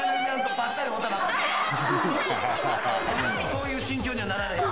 「そういう心境にはなられへん」